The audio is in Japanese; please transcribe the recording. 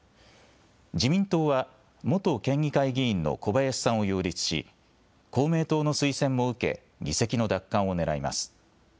自民党は元県議会議員の小林さんを擁立し、公明党の推薦も受け、議席の奪還をねらいます。